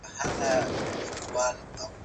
نور احتیاط غوره بولي.